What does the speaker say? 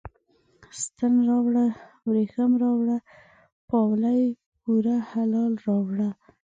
ستن راوړه، وریښم راوړه، پاولي پوره هلال راوړه